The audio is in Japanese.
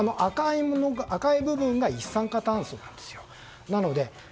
赤い部分が一酸化炭素です。